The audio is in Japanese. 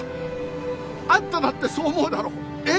あんただってそう思うだろ！え？